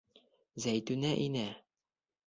Зәйтүнә инә.